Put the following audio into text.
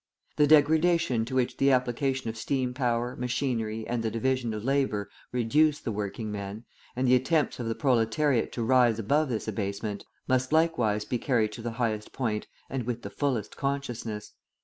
The degradation to which the application of steam power, machinery and the division of labour reduce the working man, and the attempts of the proletariat to rise above this abasement, must likewise be carried to the highest point and with the fullest consciousness.